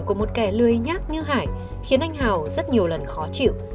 của một kẻ lười nhát như hải khiến anh hào rất nhiều lần khó chịu